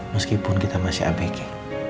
meskipun kita masih abeki